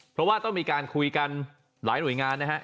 เพราะว่าต้องมีการคุยกันหลายหน่วยงานนะฮะ